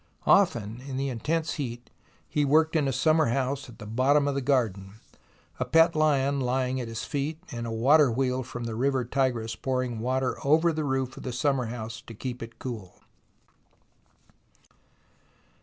Often in the intense heat he worked in a summer house at the bottom of the garden, a pet lion lying at his feet, and a water wheel from the river Tigris pouring water over the roof of the summer house to keep it cool.